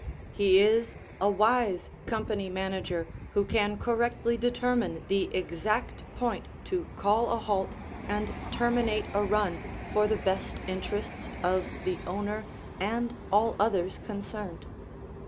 He is a wise company manager who can correctly determine the exact point to call a halt and terminate a run for the best interests of the owner and all others concerned.